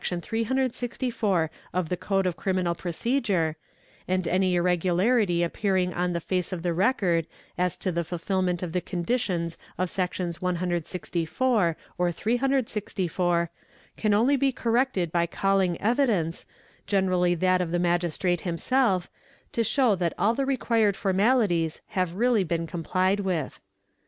364 of ' the Code of Criminal Procedure, and any irregularity appearing on the face of the record as to the fulfilment of the conditions of Secs. 164 or 4 364, can only be corrected by calling evidence, generally that of the Magistrate himself, to show that all the required formalities have really ~ been complied with.